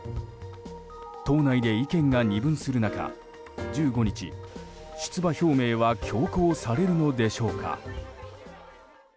党内で意見が二分する中１５日出馬表明は強行されるのでしょうか。